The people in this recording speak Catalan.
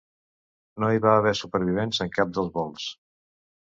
No hi va haver supervivents en cap dels vols.